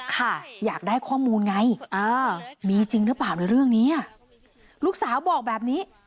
ค่ะอยากได้ข้อมูลไงมีจริงหรือเปล่าในเรื่องนี้ลูกสาวบอกแบบนี้